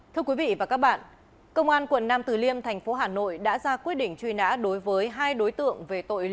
thưa quý vị và các bạn công an quận nam từ liêm thành phố hà nội đã ra quyết định truy nã đối với hai đối tượng về tội lỗi